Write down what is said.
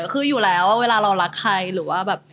คืออยู่แล้วเวลาเรารักใครหรือว่าแบบ